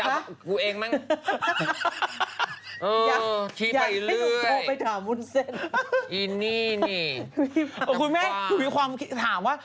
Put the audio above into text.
คุณแม่มีความถามว่า